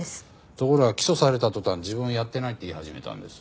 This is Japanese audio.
ところが起訴された途端自分はやってないって言い始めたんです。